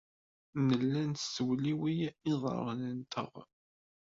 Nella nessewliwil iḍarren-nteɣ.